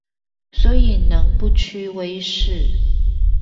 所以能不屈威勢